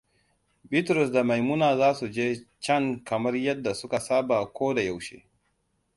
Bitrus da Maimuna za su je can kamar yadda suka saba ko da yaushe.